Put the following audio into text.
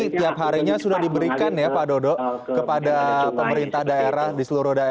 setiap harinya sudah diberikan ya pak dodo kepada pemerintah daerah di seluruh wilayah